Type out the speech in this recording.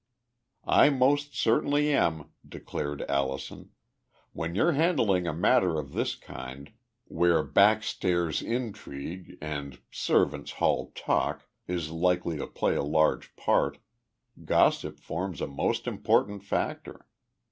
"I most certainly am!" declared Allison. "When you're handling a matter of this kind, where back stairs intrigue and servants hall talk is likely to play a large part, gossip forms a most important factor.